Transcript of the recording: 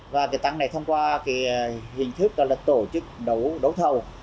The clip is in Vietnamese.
và cái tăng này thông qua cái hình thức đó là tổ chức đấu thầu